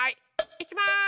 いきます。